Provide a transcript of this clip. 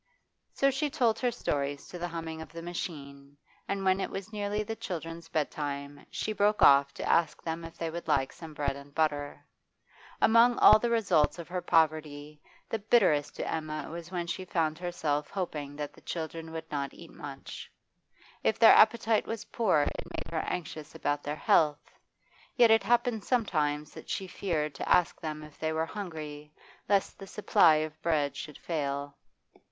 So she told her stories to the humming of the machine, and when it was nearly the children's bedtime she broke off to ask them if they would like some bread and butter. Among all the results of her poverty the bitterest to Emma was when she found herself hoping that the children would not eat much. If their appetite was poor it made her anxious about their health, yet it happened sometimes that she feared to ask them if they were hungry lest the supply of bread should fail.